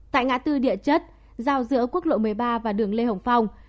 tại ngã tư địa chất giao giữa quốc lộ một mươi ba và đường lê hồng phong